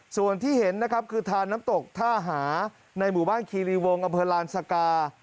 ส่วนที่เห็นนะครับคือทานน้ำตกท่าหาในหมู่บ้านคีรีวงอำเภอลานสกา